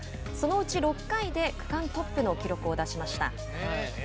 そのうち６回で区間トップの記録を出しました。